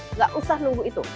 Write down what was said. enggak usah nunggu itu